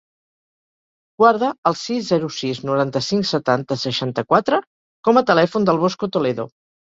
Guarda el sis, zero, sis, noranta-cinc, setanta, seixanta-quatre com a telèfon del Bosco Toledo.